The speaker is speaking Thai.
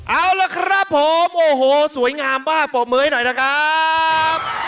เอาละครับผมโอ้โหสวยงามป่ะปลอบมือให้หน่อยนะครับ